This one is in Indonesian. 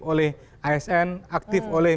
oleh asn aktif oleh